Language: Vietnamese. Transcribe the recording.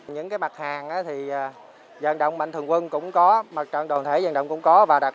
những mặt hàng thì dân đồng mạnh thường quân cũng có mặt trận đồ thể dân đồng cũng có